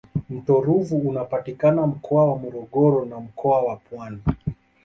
mto ruvu unapatikana mkoa wa morogoro na mkoa wa pwani